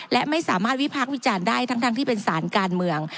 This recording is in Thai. และไม่สามารถวิพากษ์วิจารณ์ได้ทั้งที่เป็นสารการเมือง